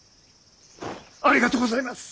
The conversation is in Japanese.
ありがとうございます。